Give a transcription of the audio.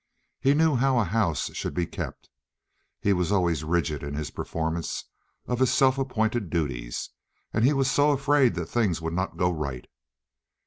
He knew how a house should be kept. He was always rigid in his performance of his self appointed duties, and he was so afraid that things would not go right.